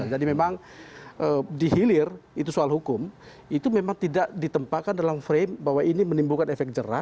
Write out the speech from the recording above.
jadi memang dihilir itu soal hukum itu memang tidak ditempahkan dalam frame bahwa ini menimbulkan efek jerat